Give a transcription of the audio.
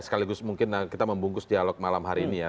sekaligus mungkin kita membungkus dialog malam hari ini ya